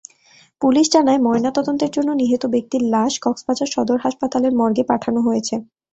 Police জানায়, ময়নাতদন্তের জন্য নিহত ব্যক্তির লাশ কক্সবাজার সদর হাসপাতালের মর্গে পাঠানো হয়েছে।